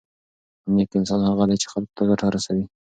نېک انسان هغه دی چې خلکو ته ګټه رسوي.